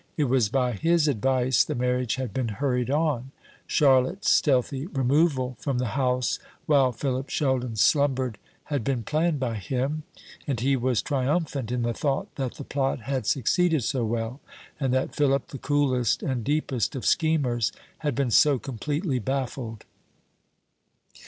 It was by his advice the marriage had been hurried on; Charlotte's stealthy removal from the house while Philip Sheldon slumbered had been planned by him; and he was triumphant in the thought that the plot had succeeded so well, and that Philip, the coolest and deepest of schemers, had been so completely baffled.